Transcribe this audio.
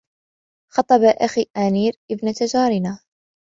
خطب أخي آنير إبنت جارنا.